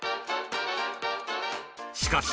しかし、